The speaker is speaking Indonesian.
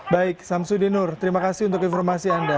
baik samsudin nur terima kasih untuk informasi anda